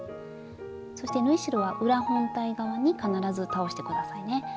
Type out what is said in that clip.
そして縫い代は裏本体側に必ず倒して下さいね。